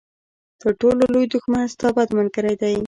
تر ټولو لوی دښمن ستا بد ملګری دی.